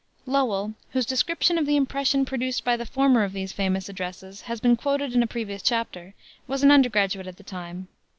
Lowell, whose description of the impression produced by the former of these famous addresses has been quoted in a previous chapter, was an undergraduate at the time.